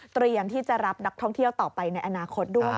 เตรียมที่จะรับนักท่องเที่ยวต่อไปในอนาคตด้วย